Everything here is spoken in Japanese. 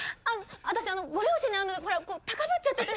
私あのご両親に会うのにほら高ぶっちゃってて。